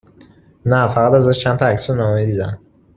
نه، فقط ازش چند تا عکس و نامه دیدم